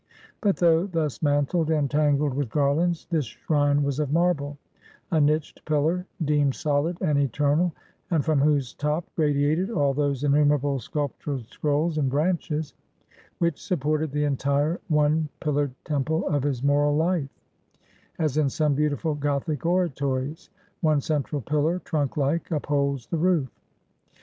But though thus mantled, and tangled with garlands, this shrine was of marble a niched pillar, deemed solid and eternal, and from whose top radiated all those innumerable sculptured scrolls and branches, which supported the entire one pillared temple of his moral life; as in some beautiful gothic oratories, one central pillar, trunk like, upholds the roof.